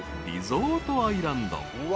リゾートアイランド］